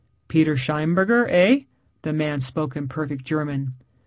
"Peter Scheinberger, heh?" the man spoke in perfect German.